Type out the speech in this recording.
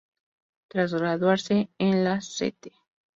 Tras graduarse en la "St.